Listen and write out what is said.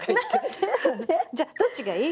じゃあどっちがいい？